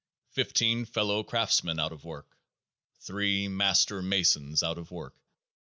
Fifteen fellow craftsmen out of work ! Three Master Masons out of work